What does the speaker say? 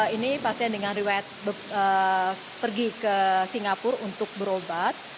ini pasien dengan riwayat pergi ke singapura untuk berobat